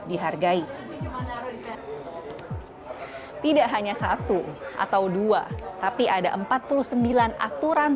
dihargai tidak hanya satu atau dua tapi ada empat puluh sembilan aturan turunan undang undang yang berbeda dengan